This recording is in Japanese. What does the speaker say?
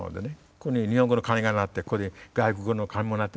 ここに日本語の鐘が鳴ってここで外国語の鐘も鳴ってる所でね